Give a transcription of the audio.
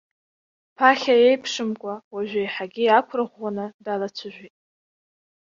Ԥахьа еиԥшымкәа уажәы еиҳагьы иақәырӷәӷәаны далацәажәеит.